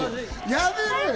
やめろよ！